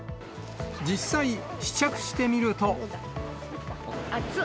実際、試着してみると。